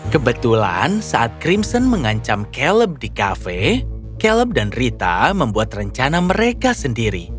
kebetulan saat crimson mengancam caleb di kafe caleb dan rita membuat rencana mereka sendiri